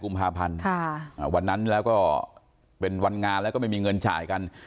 กุมภาพันธ์วันนั้นแล้วก็เป็นวันงานแล้วก็ไม่มีเงินจ่ายกัน